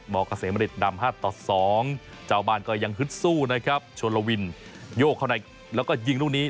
เกษมริตดำ๕ต่อ๒เจ้าบ้านก็ยังฮึดสู้นะครับชนลวินโยกเข้าในแล้วก็ยิงลูกนี้